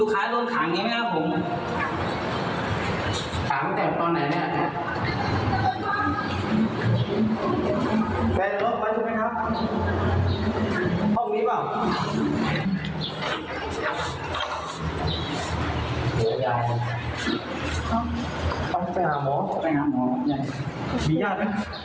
พร้อมไปหาหมอไปหาหมอไงมียาดไหม